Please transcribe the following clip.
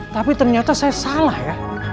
tapi ternyata saya salah ya